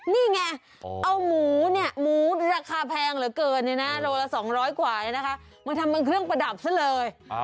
นี่ไงเอาหมูราคาแพงเหลือเกินโรลละ๒๐๐กว่ามันทำเป็นเครื่องประดับซะเลย